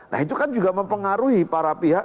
nah itu kan juga mempengaruhi para pihak